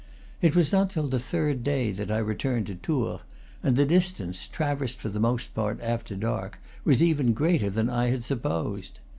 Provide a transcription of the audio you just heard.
It was not till the third day that I re turned to Tours; and the distance, traversed for the most part after dark, was even greater than I had sup posed.